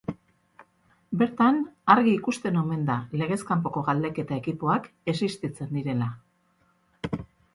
Bertan argi ikusten omen da legez kanpoko galdeketa ekipoak existitzen direla.